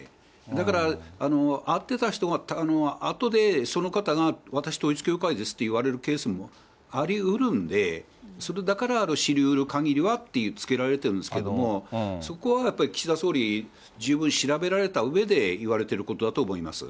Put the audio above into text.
だから、会ってた人が、あとでその方が私統一教会ですって言われるケースもありうるんで、だから、知りうるかぎりはってつけられているんですけれども、そこはやっぱり、岸田総理、十分調べられたうえで言われていることだと思います。